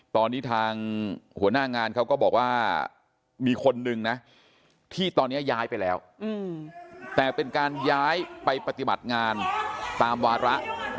ตอนนี้ทางหัวหน้างานเขาก็บอกว่ามีคนนึงนะที่ตอนนี้ย้ายไปแล้วแต่เป็นการย้ายไปปฏิบัติงานตามวาระ